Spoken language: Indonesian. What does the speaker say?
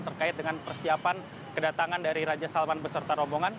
terkait dengan persiapan kedatangan dari raja salman beserta rombongan